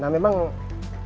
nah memang tidak mudah